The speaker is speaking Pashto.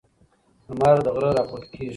لمر له غره راپورته کیږي.